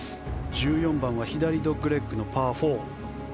１４番は左ドッグレッグのパー４。